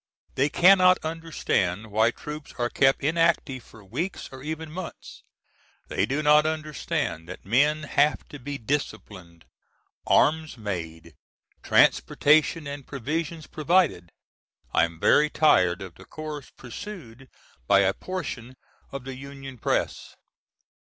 They cannot understand why troops are kept inactive for weeks or even months. They do not understand that men have to be disciplined, arms made, transportation and provisions provided. I am very tired of the course pursued by a portion of the Union press.